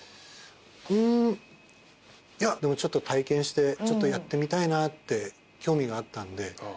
ちょっと体験してやってみたいなって興味があったんで。